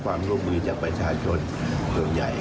วันนี้ครบรอบ๕ปีครอสชนายกจะพูดอะไรไหมคะ